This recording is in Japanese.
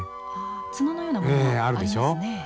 角のようなものがありますね。